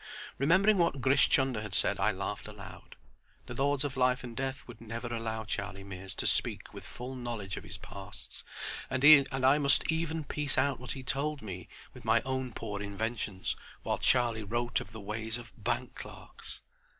Remembering what Grish Chunder had said I laughed aloud. The Lords of Life and Death would never allow Charlie Mears to speak with full knowledge of his pasts, and I must even piece out what he had told me with my own poor inventions while Charlie wrote of the ways of bank clerks.